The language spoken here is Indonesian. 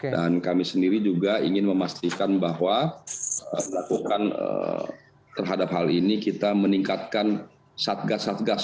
dan kami sendiri juga ingin memastikan bahwa melakukan terhadap hal ini kita meningkatkan satgas satgas